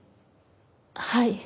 はい。